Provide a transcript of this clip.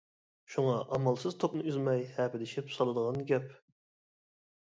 شۇڭا ئامالسىز توكنى ئۈزمەي ھەپىلىشىپ سالىدىغان گەپ.